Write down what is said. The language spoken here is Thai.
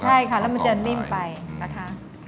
ใช่ค่ะแล้วมันจะนิ่มไปนะคะ